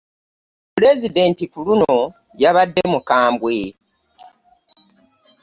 Pulezidenti ku luno yabadde mukambwe.